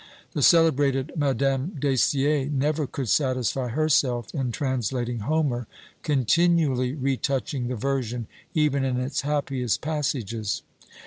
The celebrated Madame Dacier never could satisfy herself in translating Homer: continually retouching the version, even in its happiest passages.